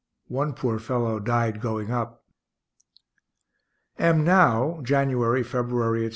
One poor fellow died going up. Am now (January, February, etc.